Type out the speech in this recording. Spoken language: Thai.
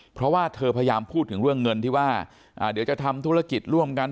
เพราะว่าเธอพยายามพูดถึงเรื่องเงินที่ว่าเดี๋ยวจะทำธุรกิจร่วมกัน